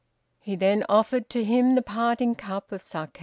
He then offered to him the parting cup of saké.